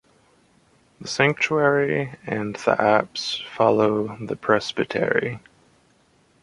The sanctuary and the apse follow the presbytery.